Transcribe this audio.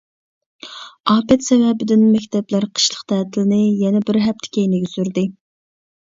ئاپەت سەۋەبىدىن مەكتەپلەر قىشلىق تەتىلنى يەنە بىر ھەپتە كەينىگە سۈردى .